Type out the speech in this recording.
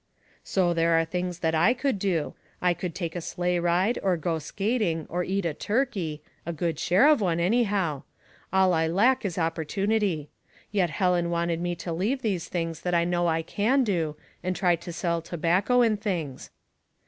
" So there are things that I could do. I could take a sleigh ride, or go skating, or eat a turkey — a good share of one, anyhow ; all I lack is opportunity. Yet Helen wanted me to leave these things that I know I can do, and try to sell tobacco and things."